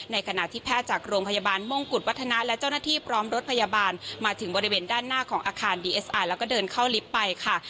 ขณะที่แพทย์จากโรงพยาบาลมงกุฎวัฒนาและเจ้าหน้าที่พร้อมรถพยาบาลมาถึงบริเวณด้านหน้าของอาคารดีเอสไอแล้วก็เดินเข้าลิฟต์ไปค่ะ